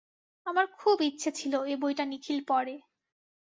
আমার খুব ইচ্ছে ছিল এ বইটা নিখিল পড়ে।